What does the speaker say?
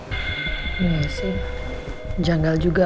iya sih janggal juga